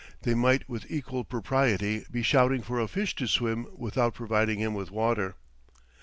They might with equal propriety be shouting for a fish to swim without providing him with water.